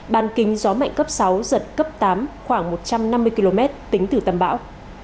ban kính gió mạnh cấp sáu giật cấp tám khoảng một trăm năm mươi km tính từ tâm bão